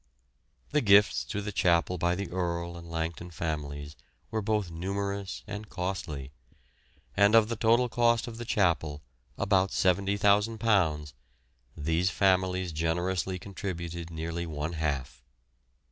The gifts to the chapel by the Earle and Langton families were both numerous and costly; and of the total cost of the chapel, about £70,000, these families generously contributed nearly one half.